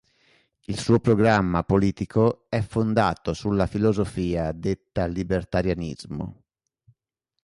Il suo programma politico è fondato sulla filosofia detta libertarianismo.